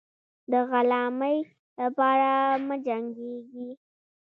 د غلامۍ لپاره مه جنګېږی.